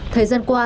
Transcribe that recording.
thời gian qua